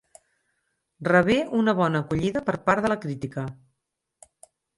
Rebé una bona acollida per part de la crítica.